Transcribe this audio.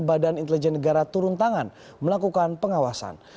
badan intelijen negara turun tangan melakukan pengawasan